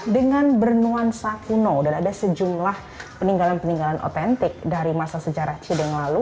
dengan bernuansa kuno dan ada sejumlah peninggalan peninggalan otentik dari masa sejarah cideng lalu